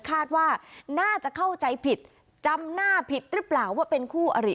คาดว่าน่าจะเข้าใจผิดจำหน้าผิดหรือเปล่าว่าเป็นคู่อริ